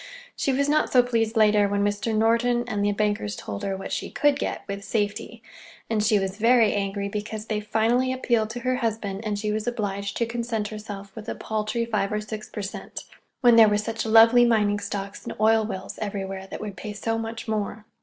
She was not so pleased later, when Mr. Norton and the bankers told her what she could get—with safety; and she was very angry because they finally appealed to her husband and she was obliged to content herself with a paltry five or six per cent, when there were such lovely mining stocks and oil wells everywhere that would pay so much more.